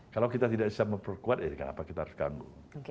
kalau kita tidak bisa memperkuat ya kenapa kita harus ganggu